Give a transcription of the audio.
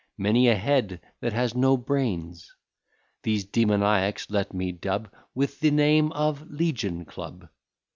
Many a head that has no brains. These demoniacs let me dub With the name of Legion Club.